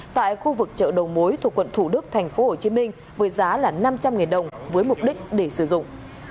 tại khu vực chợ đầu mối thuộc quận thủ đức tp hcm với giá là năm trăm linh đồng với mục đích để sử dụng